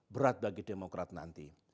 berat bagi demokrat nanti